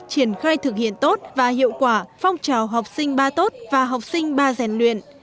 triển khai thực hiện tốt và hiệu quả phong trào học sinh ba tốt và học sinh ba rèn luyện